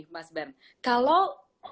mas ben kalau